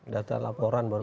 data laporan baru